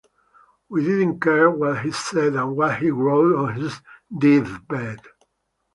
We didn't care what he said and what he wrote on his deathbed.